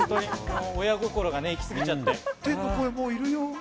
親心が行き過ぎちゃって。